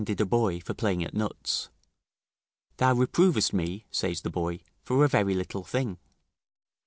] reprehending a boy for playing at nuts, "Thou reprovest me," says the boy, "for a very little thing."